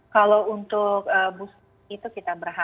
kalau untuk booster itu kita berhasil